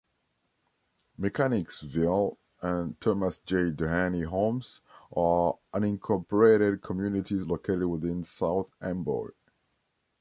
Mechanicsville and Thomas J. Dohany Homes are unincorporated communities located within South Amboy.